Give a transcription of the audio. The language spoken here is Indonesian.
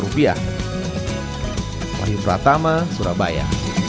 wahyu pratama surabaya